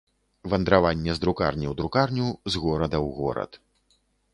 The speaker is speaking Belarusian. Вандраванне з друкарні ў друкарню, з горада ў горад.